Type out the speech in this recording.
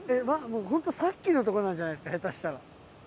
もう本当さっきのとこなんじゃないですか下手したら。